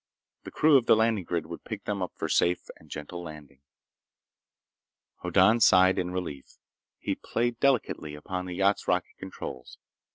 The crew of the landing grid would pick them up for safe and gentle landing. Hoddan sighed in relief. He played delicately upon the yacht's rocket controls.